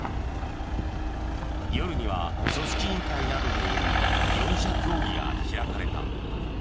夜には組織委員会などによる４者協議が開かれた。